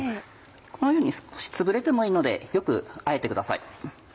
このように少しつぶれてもいいのでよくあえてください。